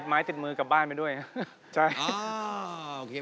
ไม้ติดมือกลับบ้านไปด้วยครับ